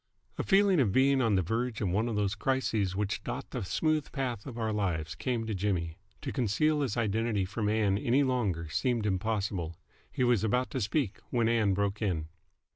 A feeling of being on the verge of one of those crises which dot the smooth path of our lives came to Jimmy. To conceal his identity from Ann any longer seemed impossible. He was about to speak, when Ann broke in.